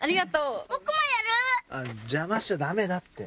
邪魔しちゃダメだって。